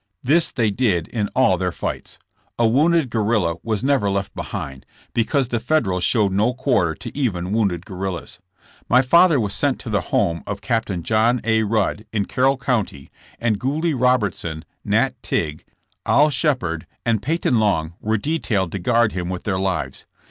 This they did in all their fights. A wounded guerrilla was never left behind, because the Federals showed no quarter to even wounded guerrillas. My father was sent to the home of Captain John A. Rudd, in Carroll County, and Gooly Robertson, Nat Tigue, Oil Shepherd and Peyton Long were detailed to guard him with their lives.